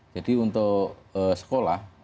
jadi untuk sekolah